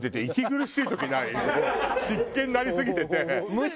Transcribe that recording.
湿気になりすぎてて。